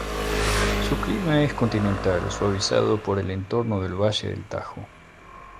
Su clima es continental suavizado por el entorno del valle del Tajo.